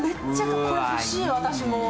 これ欲しい、私も。